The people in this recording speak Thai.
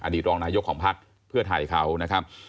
ตรองนายกของพักเพื่อไทยเขานะครับ